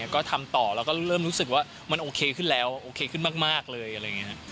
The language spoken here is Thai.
ก็ทำต่อแล้วก็เริ่มรู้สึกว่ามันโอเคขึ้นแล้วโอเคขึ้นมากเลยอะไรอย่างนี้